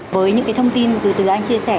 với những cái thông tin từ từ anh chia sẻ